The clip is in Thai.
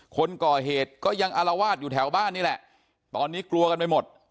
คนก่อเหตุก็ยังอารวาสอยู่แถวบ้านนี่แหละตอนนี้กลัวกันไปหมด